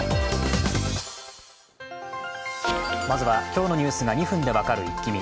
まずは今日のニュースが２分で分かるイッキ見。